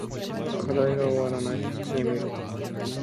課題が終わらない。眠い。